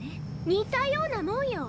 似たようなもんよ。